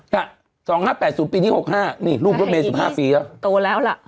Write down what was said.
ค่ะ๒๕๘๐ปีที่๖๕นี่ลูกก็เป็น๑๕ปีแล้ว